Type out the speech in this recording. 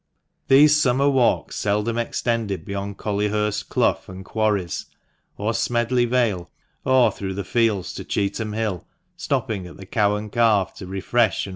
These summer walks seldom extended beyond Collyhurst Clough and quarries, or Smedley Vale, or through the fields to Cheetham Hill, stopping at the "Cow and Calf" to refresh, and THE MANCHESTER MAN.